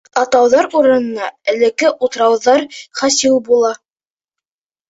Ә тауҙар урынына элекке утрауҙар хасил була.